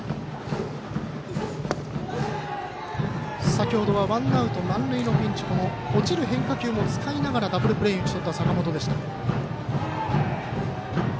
先ほどはワンアウト、満塁のピンチもこの落ちる変化球も使いながらダブルプレーに打ち取った坂本でした。